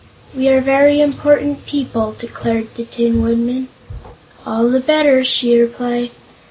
"We are very important people," declared the Tin Woodman. "All the better," she replied.